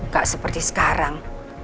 gak seperti sekarang